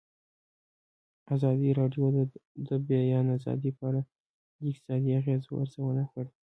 ازادي راډیو د د بیان آزادي په اړه د اقتصادي اغېزو ارزونه کړې.